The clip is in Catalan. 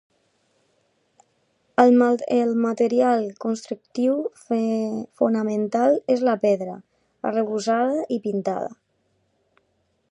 El material constructiu fonamental és la pedra, arrebossada i pintada.